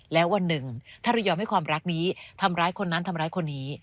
แล้ววันหนึ่งถ้าเรายอมให้ความรักนี้ทำร้ายคนนั้นทำร้ายคนนี้